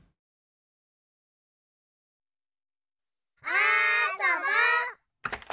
あそぼ！